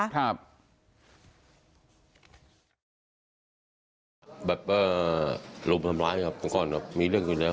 แต่ครั้งนี้ก็เลยเมาผิว